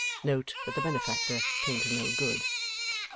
(Note, that the benefactor came to no good.)